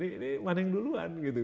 ini maneng duluan